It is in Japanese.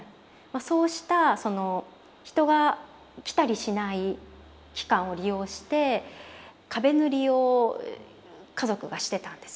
そうしたその人が来たりしない期間を利用して壁塗りを家族がしてたんです。